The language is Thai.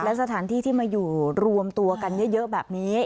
และสถานที่ที่มาอยู่รวมตัวกันเยอะแบบนี้